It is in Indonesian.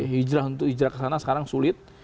hijrah untuk hijrah ke sana sekarang sulit